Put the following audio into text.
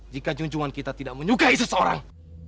jika junjungan kita tidak menyukai seseorang